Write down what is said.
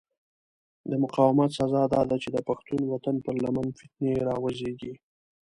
د مقاومت سزا داده چې د پښتون وطن پر لمن فتنې را وزېږي.